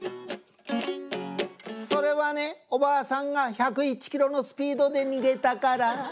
「それはねおばあさんが１０１キロのスピードで逃げたから」